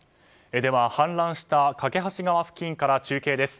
では、氾濫した梯川付近から中継です。